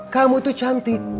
kamu tuh cantik